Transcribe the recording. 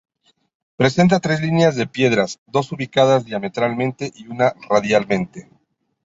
Presenta tres líneas de piedras, dos ubicadas diametralmente y una radialmente.